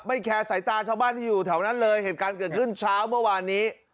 แคร์สายตาชาวบ้านที่อยู่แถวนั้นเลยเหตุการณ์เกิดขึ้นเช้าเมื่อวานนี้